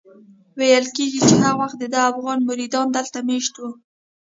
ویل کېږي هغه وخت دده افغان مریدان دلته مېشت وو.